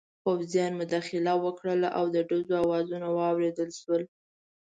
پوځیانو مداخله وکړه او د ډزو اوازونه واورېدل شول.